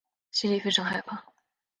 心里非常害怕